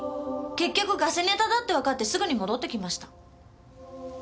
結局ガセネタだってわかってすぐに戻ってきました。